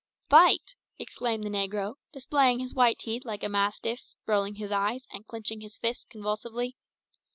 "Fight!" exclaimed the negro, displaying his white teeth like a mastiff, rolling his eyes and clinching his fists convulsively.